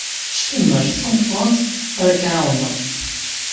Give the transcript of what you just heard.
S tumert tameqrant ara k-ɛawneɣ.